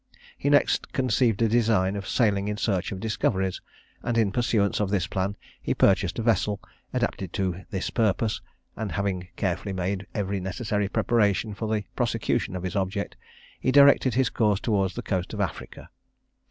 He next conceived a design of sailing in search of discoveries; and in pursuance of this plan he purchased a vessel adapted to his purpose; and having carefully made every necessary preparation for the prosecution of his object, he directed his course towards the coast of Africa.